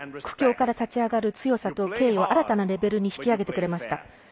苦境から立ち上がる強さと敬意を新たなレベルに引き上げてくれました。